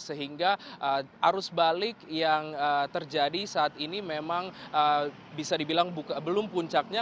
sehingga arus balik yang terjadi saat ini memang bisa dibilang belum puncaknya